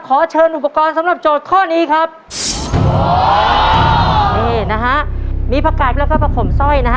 ขอเชิญอุปกรณ์สำหรับโจทย์ข้อนี้ครับนี่นะฮะมีผักไก่แล้วก็ผักขมสร้อยนะฮะ